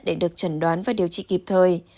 để được trần đoán và điều trị kịp thời